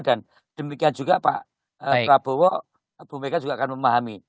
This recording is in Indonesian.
dan demikian juga pak prabowo ibu mega juga akan memahami